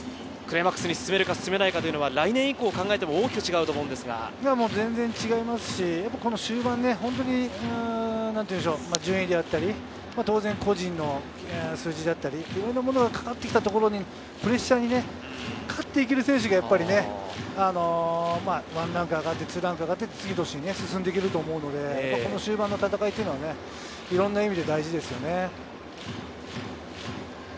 クライマックスに進めるか進めないかというのは来年以降を考えても大きく違うと思うんですが、全然違うと思いますし、終盤、順位であったり当然個人の数字だったり、いろんなものがかかってきたところにプレッシャーに勝っていける選手がやっぱり１ランク、２ランク上がって次の年に進んでいけると思うので、この終盤の戦いはいろんな意味で大事ですよね。